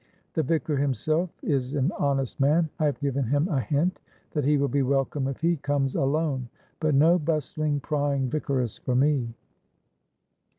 The Vicar himself is an honest man. I have given him a hint that he will be welcome if he comes alone, but no bustling prying vicaress for me."